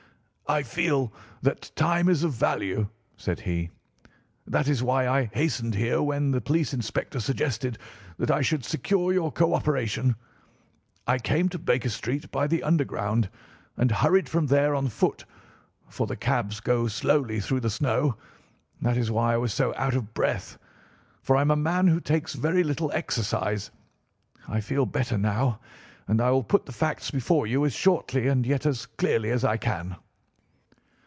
"I feel that time is of value," said he; "that is why I hastened here when the police inspector suggested that I should secure your co operation. I came to Baker Street by the Underground and hurried from there on foot, for the cabs go slowly through this snow. That is why I was so out of breath, for I am a man who takes very little exercise. I feel better now, and I will put the facts before you as shortly and yet as clearly as I can.